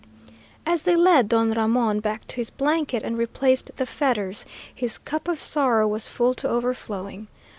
As they led Don Ramon back to his blanket and replaced the fetters, his cup of sorrow was full to overflowing.